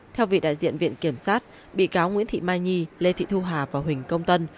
theo vị đại diện viện kiểm sát bị cáo nguyễn thị mai nhi lê thị thu hà và huỳnh công tân